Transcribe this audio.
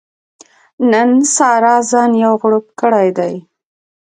نن سارا ځان یو غړوپ کړی دی.